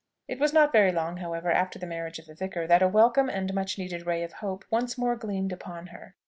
It was not very long, however, after the marriage of the vicar, that a welcome and much needed ray of hope once more gleamed upon her.